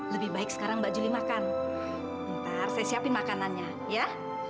lebih baik sekarang mbak juli makan bentar saya siapin makanannya ya